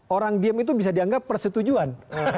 orang diem itu bisa dianggap persetujuan